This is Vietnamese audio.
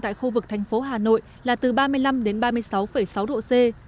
tại khu vực thành phố hà nội là từ ba mươi năm đến ba mươi sáu sáu độ c